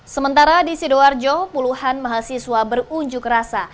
sementara di sidoarjo puluhan mahasiswa berunjuk rasa